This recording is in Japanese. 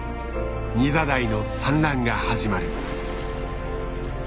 ニザダイの産卵が始まる。